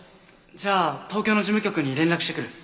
じゃあ東京の事務局に連絡してくる。